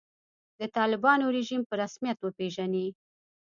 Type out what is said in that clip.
د طالبانو رژیم په رسمیت وپېژني.